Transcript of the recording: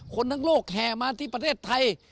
คนทั้งโลกแห่มาที่ประเทศไทย